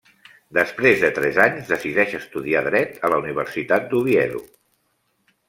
Després de tres anys, decideix estudiar dret a la Universitat d'Oviedo.